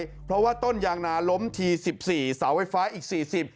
เพราะว่าต้นยางนาล้มทีสิบสี่เสาไฟฟ้าอีกสี่สิบ